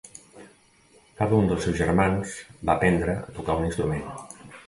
Cada un dels seus germans va aprendre a tocar un instrument.